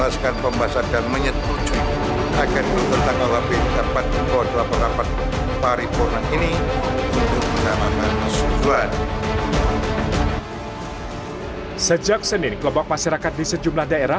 sejak senin kelompok masyarakat di sejumlah daerah